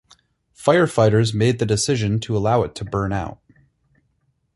Firefighters made the decision to allow it to burn out.